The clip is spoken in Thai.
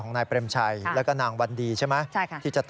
ของนางคณิตาวิทยาโรงพรวจชาติแห่งชาติ